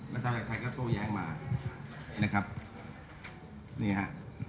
รับจักรจักรชัยก็โต๊ะแย้งมานะครับนี่ฮะ